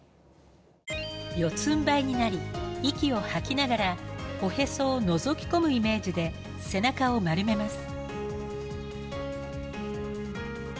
四つんばいになり息を吐きながらおへそをのぞき込むイメージで背中を丸めます